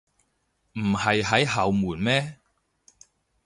唔係喺後門咩？